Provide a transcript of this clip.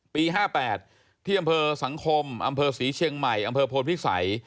ปี๕๘ที่อำเภอสังคมอำเภอศรีเชียงใหม่อำเภอโพนพิสัย